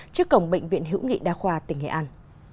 trước cổng bệnh viện hữu nghị đa khoa tỉnh nghệ an